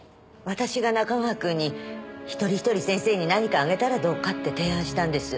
私が仲川くんに１人１人先生に何かあげたらどうかって提案したんです。